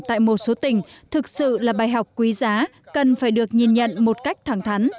tại một số tỉnh thực sự là bài học quý giá cần phải được nhìn nhận một cách thẳng thắn